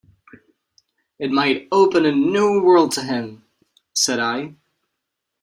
"It might open a new world to him," said I.